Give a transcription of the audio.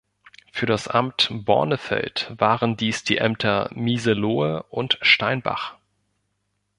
Für das Amt Bornefeld waren dies die Ämter Miselohe und Steinbach.